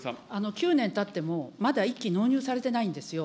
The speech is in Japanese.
９年たっても、まだ１機納入されてないんですよ。